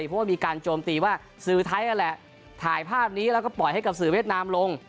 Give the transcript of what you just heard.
เพราะว่ามีการโจมตีว่าสื่อไทยนั่นแหละถ่ายภาพนี้แล้วก็ปล่อยให้กับสื่อเวียดนามลง